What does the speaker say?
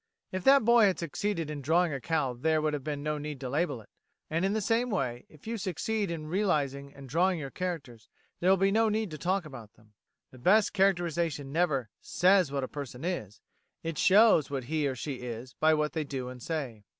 If that boy had succeeded in drawing a cow there would have been no need to label it; and, in the same way, if you succeed in realising and drawing your characters there will be no need to talk about them. The best characterisation never says what a person is; it shows what he or she is by what they do and say.